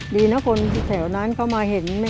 ดีนะคนที่แถวนั้นเขามาเห็น